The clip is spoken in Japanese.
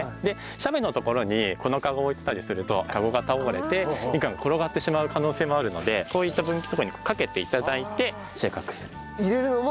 で斜面のところにこのかごを置いてたりするとかごが倒れてみかんが転がってしまう可能性もあるのでこういった分岐のとこにかけて頂いて収穫する。